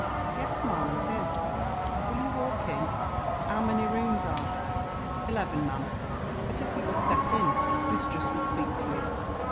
"Yes, ma'am, it is; will you walk in?" "'Ow many rooms are there?" "Eleven, ma'am; but if you will step in, mistress will speak to you."